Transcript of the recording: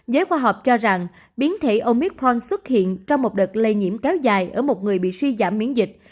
giới khoa học cho rằng biến thể omit pron xuất hiện trong một đợt lây nhiễm kéo dài ở một người bị suy giảm miễn dịch